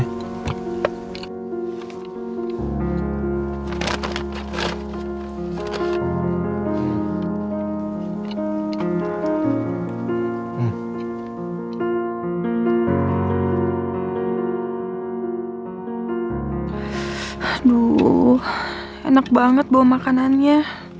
aduh enak banget bau makanannya